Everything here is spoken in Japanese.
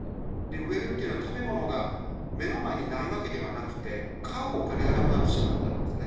飢えるというのは、食べ物が目の前にないわけではなくて、買うお金がなくなってしまったんですね。